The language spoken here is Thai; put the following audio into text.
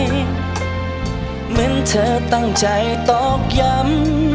เหมือนเธอตั้งใจตอกย้ำ